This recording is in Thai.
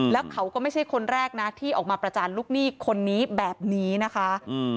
แล้วเขาก็ไม่ใช่คนแรกนะที่ออกมาประจานลูกหนี้คนนี้แบบนี้นะคะ